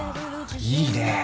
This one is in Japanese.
いいね。